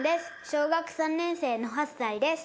小学１年生の６歳です。